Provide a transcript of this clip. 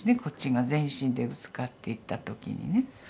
こっちが全身でぶつかっていった時にね。